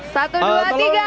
satu dua tiga